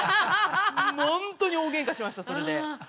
ほんとに大げんかしましたそれで。